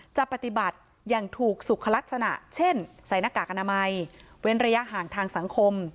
จะปฏิบัติอย่างถูกสุขลักษณะเช่นใส่หน้ากากอนามัยเว้นระยะห่างทางสังคม